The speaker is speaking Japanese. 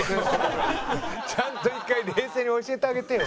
ちゃんと一回冷静に教えてあげてよ。